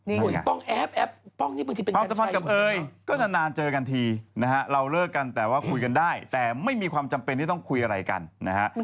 อิปป้องแอบพร้อมสมัครกับเอ๋ยก็จะนานเจอกันทีนะฮะเราเลิกกันแต่ว่าคุยกันได้แต่ไม่มีความจำเป็นที่ต้องคุยอะไรกันนะฮะ